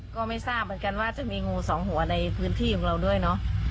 ก็ไม่ทราบเหมือนกันว่าจะมีงูสองหัวในพื้นที่ของเราด้วยเนอะ